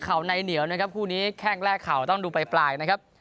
ในเหนียวนะครับคู่นี้แข้งแรกเข่าต้องดูปลายนะครับ